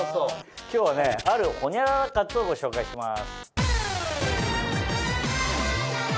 今日はねあるホニャララ活をご紹介します。